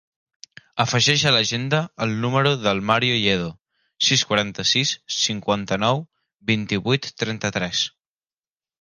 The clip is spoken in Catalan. Afegeix a l'agenda el número del Mario Lledo: sis, quaranta-sis, cinquanta-nou, vint-i-vuit, trenta-tres.